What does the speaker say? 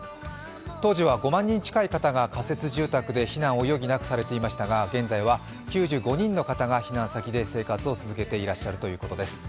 当時は５万人近い方が仮設住宅で避難を余儀なくされていましたが現在は９５人の方が避難先で生活を続けていらっしゃるということです。